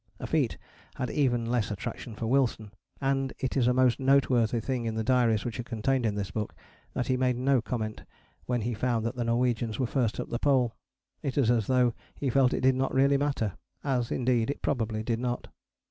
A feat had even less attraction for Wilson, and it is a most noteworthy thing in the diaries which are contained in this book, that he made no comment when he found that the Norwegians were first at the Pole: it is as though he felt that it did not really matter, as indeed it probably did not.